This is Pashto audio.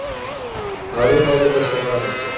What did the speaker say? هرو مرو به سبا درځم.